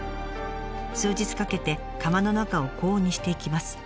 数日かけて窯の中を高温にしていきます。